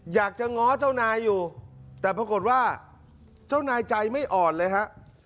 อยากจะง้อเจ้านายอยู่แต่ปรากฏว่าเจ้านายใจไม่อ่อนเลยฮะ